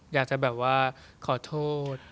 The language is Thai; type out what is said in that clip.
อยากจะแบบว่าขอโทษ